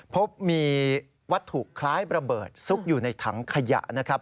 พบมีวัตถุคล้ายระเบิดซุกอยู่ในถังขยะนะครับ